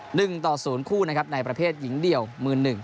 หนึ่งต่อศูนย์คู่นะครับในประเภทหญิงเดี่ยวมือหนึ่ง